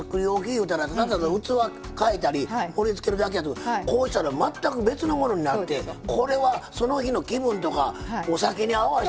言うたら器変えたり盛りつけるだけやけどこうしたら全く別のものになってこれはその日の気分とかお酒に合わしていろいろ楽しめますね